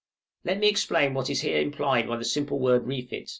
Let me explain what is here implied by the simple word refit.